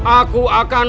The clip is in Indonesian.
aku akan menangis